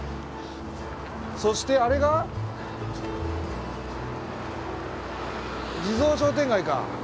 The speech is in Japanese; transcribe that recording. そしてあれが地蔵商店街か。